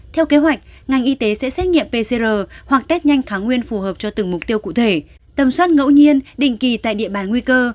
theo kế hoạch ngành y tế sẽ xét nghiệm pcr hoặc test nhanh tháng nguyên phù hợp cho từng mục tiêu cụ thể tầm soát ngẫu nhiên định kỳ tại địa bàn nguy cơ